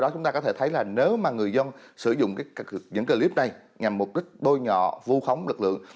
đó chúng ta có thể thấy là nếu mà người dân sử dụng những clip này nhằm mục đích bôi nhọ vu khống lực lượng